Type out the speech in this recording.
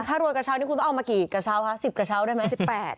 ถ้ารวยกระเช้านี้คุณต้องเอามากี่กระเช้าคะ๑๐กระเช้าได้ไหม๑๘บาท